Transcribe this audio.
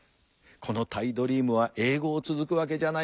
このタイドリームは永ごう続くわけじゃない。